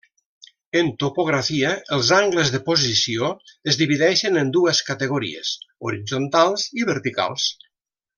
En topografia els angles de posició es divideixen en dues categories: horitzontals i verticals.